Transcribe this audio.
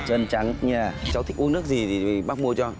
chân trắng nha cháu thích uống nước gì thì bác mua cho